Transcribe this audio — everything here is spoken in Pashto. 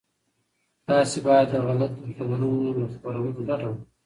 تاسي باید د غلطو خبرونو له خپرولو ډډه وکړئ.